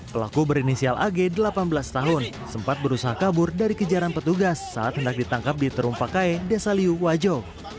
pelaku berinisial ag delapan belas tahun sempat berusaha kabur dari kejaran petugas saat hendak ditangkap di terumpakae desa liu wajo